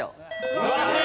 素晴らしい！